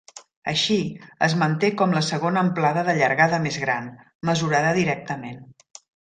Així, es manté com la segona amplada de llargada més gran, mesurada directament.